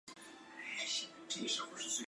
突厥人是欧亚大陆民族的主要成份之一。